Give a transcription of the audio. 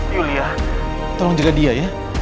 yulia tolong juga dia ya